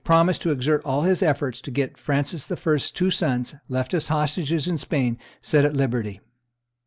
promised to exert all his efforts to get Francis I.'s two sons, left as hostages in Spain, set at liberty.